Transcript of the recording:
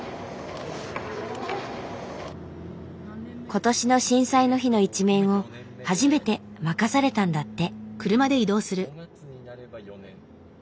今年の震災の日の１面を初めて任されたんだって。